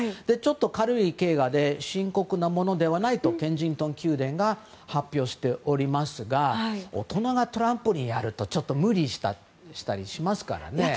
軽いけがで深刻なものではないとケンジントン宮殿が発表しておりますが大人がトランポリンやるとちょっと無理したりしますからね。